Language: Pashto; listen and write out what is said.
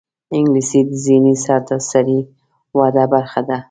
انګلیسي د ذهني سرتاسري وده برخه ده